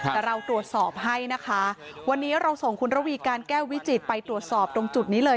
แต่เราตรวจสอบให้นะคะวันนี้เราส่งคุณระวีการแก้ววิจิตรไปตรวจสอบตรงจุดนี้เลย